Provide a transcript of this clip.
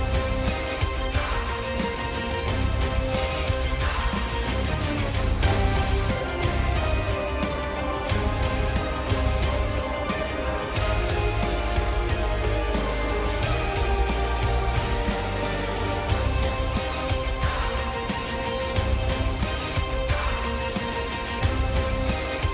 สวัสดีครับ